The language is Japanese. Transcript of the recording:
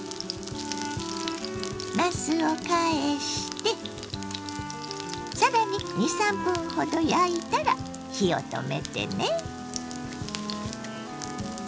なすを返して更に２３分ほど焼いたら火を止めてね。